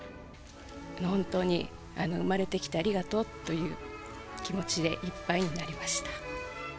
本当に生まれてきてありがとうという気持ちでいっぱいになりました。